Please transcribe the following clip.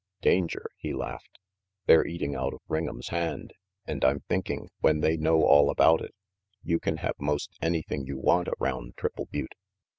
"Danger?" he laughed. "They're eating out of Ring 'em's hand, and I'm thinking, when they know all about it, you can have most anything you want around Triple Butte.